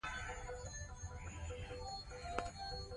برتانوي ځواکونه یرغل کوله.